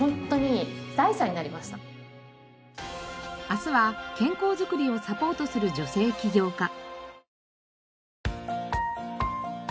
明日は健康づくりをサポートする女性起業家。